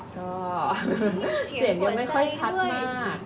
ก็เสียงยังไม่ค่อยชัดมาก